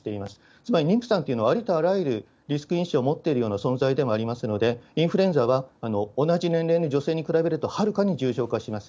つまり妊婦さんというのはありとあらゆるリスク因子を持っているような存在でもありますので、インフルエンザは同じ年齢の女性に比べるとはるかに重症化します。